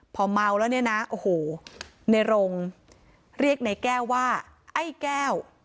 พอเมาแล้วเนี่ยนะโอ้โหในรงเรียกในแก้วว่าไอ้แก้ว